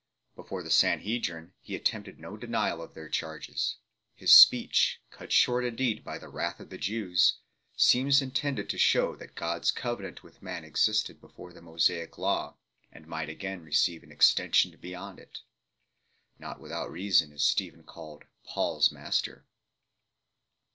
Before the Sanhedrin he attempted no denial of their charges ; his speech cut short indeed by the wrath of the Jews seems intended to shew that God s covenant with man existed before the Mosaic Law, and might again receive an extension beyond it. Not without reason is Stephen called " Paul s master."